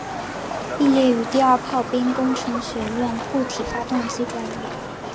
毕业于第二炮兵工程学院固体发动机专业。